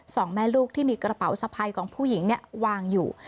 สองแม่ลูกที่มีกระเป๋าสะพายของผู้หญิงวางอยู่